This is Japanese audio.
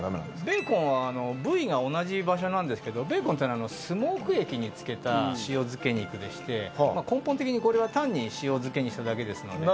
ベーコンは部位が同じ場所なんですけどベーコンってのはスモーク液に漬けた塩漬け肉でして根本的にこれは単に塩漬けにしただけですので。